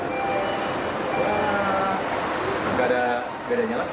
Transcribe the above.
karena gak ada bedanya lah